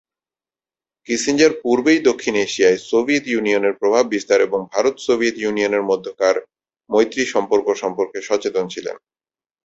Kissinger পূর্বেই দক্ষিণ এশিয়ায় সোভিয়েত ইউনিয়নের প্রভাব বিস্তার এবং ভারত-সোভিয়েত ইউনিয়নের মধ্যেকার মৈত্রী সম্পর্ক সম্পর্কে সচেতন ছিলেন।